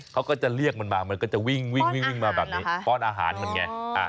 เขาก็จะเรียกมันมามันก็จะวิ่งมาแบบนี้ป้อนอาหารมันไง